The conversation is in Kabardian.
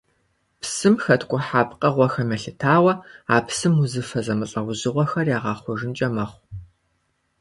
Псым хэткӀухьа пкъыгъуэхэм елъытауэ а псым узыфэ зэмылӀэужьыгъуэхэр ягъэхъужынкӀэ мэхъу.